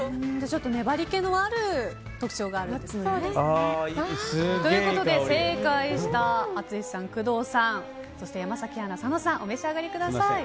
粘り気のある特徴があると。ということで正解した淳さん、工藤さん、山崎アナ佐野さん、お召し上がりください。